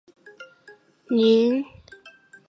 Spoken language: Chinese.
其家的祖籍是朝鲜咸镜北道会宁。